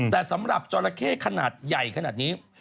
แต่สำหรับจราเข้ขนาดใหญ่ขนาดนี้